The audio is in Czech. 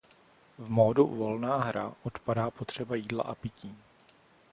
V módu "Volná hra" odpadá potřeba jídla a pití.